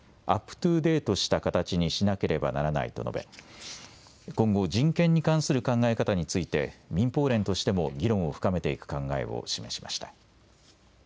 ・トゥ・デートした形にしなければならないと述べ今後、人権に関する考え方について民放連としても議論を深めていく考えを示しました。